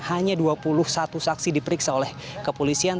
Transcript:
hanya dua puluh satu saksi diperiksa oleh kepolisian